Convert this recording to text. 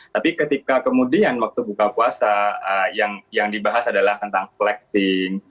tapi ketika kemudian waktu buka puasa yang dibahas adalah tentang flexing